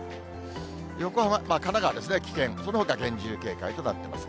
横浜、神奈川ですね、危険、そのほかは厳重警戒となっています。